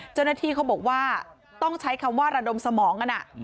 เจ้าหน้าที่เขาบอกว่าต้องใช้คำว่าระดมสมองกัน